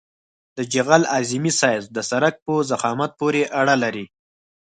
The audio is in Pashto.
د جغل اعظمي سایز د سرک په ضخامت پورې اړه لري